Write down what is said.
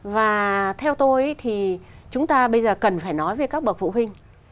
và theo tôi thì chúng ta bây giờ cần phải nói về các bậc phụ huynh